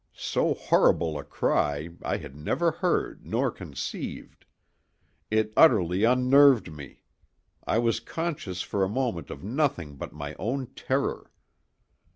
So horrible a cry I had never heard nor conceived; it utterly unnerved me; I was conscious for a moment of nothing but my own terror!